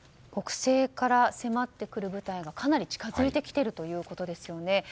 北西から迫ってくる部隊がかなり近づいてきているということですよね。